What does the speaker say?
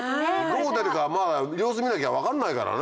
どう出るか様子見なきゃ分かんないからね。